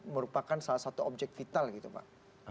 merupakan salah satu objek vital gitu pak